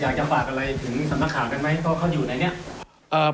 อยากยำบากอะไรถึงสันตะข่าวกันไหมเพราะเขาอยู่ไหนเนี่ย